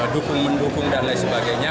dukung mendukung dan lain sebagainya